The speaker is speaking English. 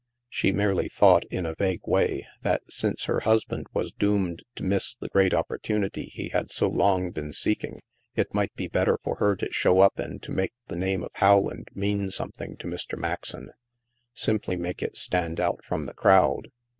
She merely thought, in a vague way, that since her husband was doomed to miss the great op portunity he had so long been seeking, it might be better for her to show up and to make the name of Rowland mean something to Mr. Maxon — sim ply make it stand out from the crowd.